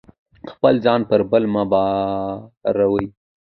خپل ځان پر بل مه باروئ.